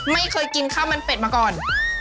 ไม่เคยกินข้าวมันเป็ดมาก่อน